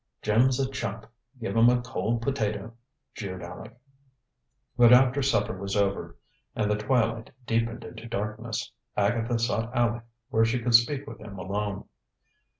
"Jim's a chump. Give him a cold potato," jeered Aleck. But after supper was over, and the twilight deepened into darkness, Agatha sought Aleck where she could speak with him alone.